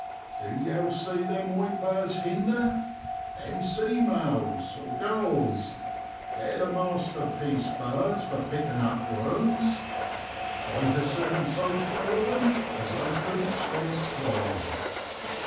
Du yow see them white bards hinder? Them's sea mows (gullsj. They're the master piece bards for pickin' up worams (worms). I ha' seen 'em so full of 'em as they couldn't scarce fly.